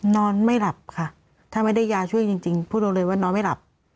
นอนไม่หลับค่ะถ้าไม่ได้ยาช่วยจริงพูดลงเลยว่านอนไม่หลับ